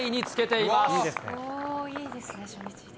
いいですね、初日で。